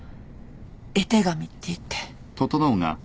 絵手紙っていって。